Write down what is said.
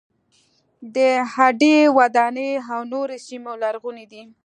د هډې وداني او نورې سیمې لرغونې دي.